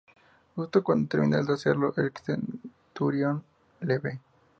Justo cuando termina de hacerlo, el centurión le ve.